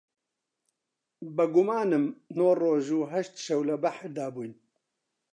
بە گومانم نۆ ڕۆژ و هەشت شەو لە بەحردا بووین